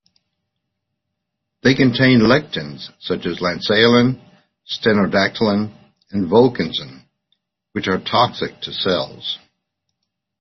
They contain lectins such as lanceolin, stenodactylin, and volkensin, which are toxic to cells.